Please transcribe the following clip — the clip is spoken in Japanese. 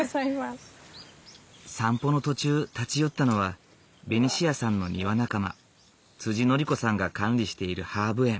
散歩の途中立ち寄ったのはベニシアさんの庭仲間典子さんが管理しているハーブ園。